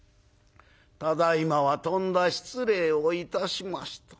「ただいまはとんだ失礼をいたしました。